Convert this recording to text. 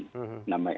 laporkan kepada kami